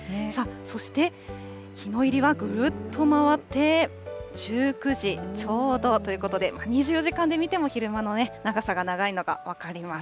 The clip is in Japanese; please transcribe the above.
そして日の入りはぐるっと回って１９時ちょうどということで、２４時間で見ても昼間のね、長さが長いのが分かります。